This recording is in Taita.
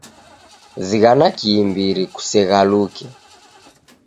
Zighana kiimbiri, kuseghaluke